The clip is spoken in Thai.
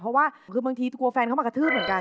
เพราะว่าคือบางทีกลัวแฟนเข้ามากระทืบเหมือนกัน